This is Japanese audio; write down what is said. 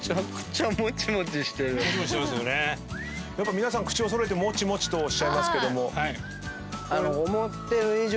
皆さん口を揃えてもちもちとおっしゃいますけども。